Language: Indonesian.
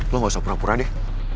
lo gak usah pura pura deh